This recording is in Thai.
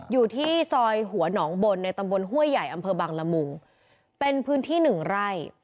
อยู่ที่ซอยหัวหนองบนในตำบลห้วยใหญ่อำเภอบังละมุงเป็นพื้นที่หนึ่งไร่